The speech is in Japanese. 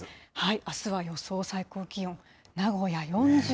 あすは予想最高気温、名古屋４０度。